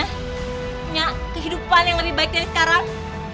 punya kehidupan yang lebih baik dari sekarang